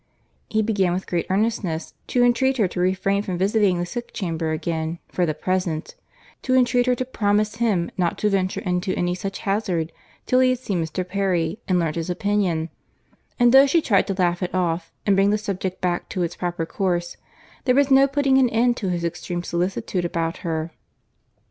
He began with great earnestness to entreat her to refrain from visiting the sick chamber again, for the present—to entreat her to promise him not to venture into such hazard till he had seen Mr. Perry and learnt his opinion; and though she tried to laugh it off and bring the subject back into its proper course, there was no putting an end to his extreme solicitude about her.